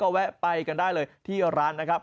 แวะไปกันได้เลยที่ร้านนะครับ